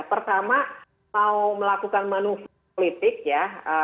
pertama mau melakukan manuver politik ya